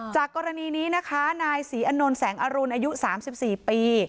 จากกรณีนี้นะคะนายศรีอนนท์แสงอรุณอายุ๓๔ปี